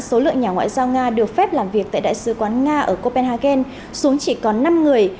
và giới hạn số lượng nhà ngoại giao nga được phép làm việc tại đại sứ quán nga ở copenhagen xuống chỉ còn năm người